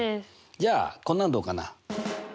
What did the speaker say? じゃあこんなのどうかな？